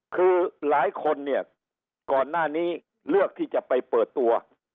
คือหลายคนเนี่ยก่อนหน้านี้เลือกที่จะไปเปิดตัว